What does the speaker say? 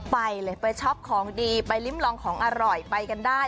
ไปเลยไปช็อปของดีไปลิ้มลองของอร่อยไปกันได้